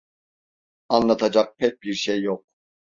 Anlatacak pek bir şey yok.